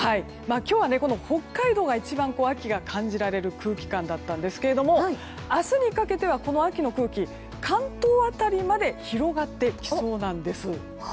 今日は北海道が一番秋が感じられる空気感だったんですけど明日にかけては、この秋の空気関東辺りまで広がってきそうなんです。